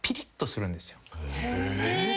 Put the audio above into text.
えっ！？